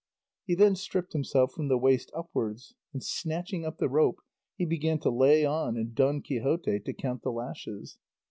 He then stripped himself from the waist upwards, and snatching up the rope he began to lay on and Don Quixote to count the lashes.